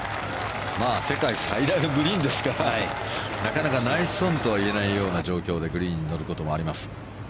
世界最大のグリーンですからなかなかナイスオンとは言えないような状況でグリーンに乗ることもあります。